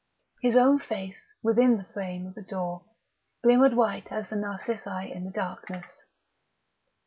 His own face, within the frame of the door, glimmered white as the narcissi in the darkness....